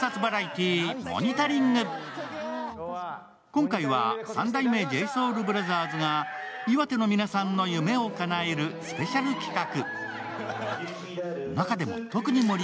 今回は三代目ＪＳＯＵＬＢＲＯＴＨＥＲＳが岩手の皆さんの夢をかなえるスペシャル企画。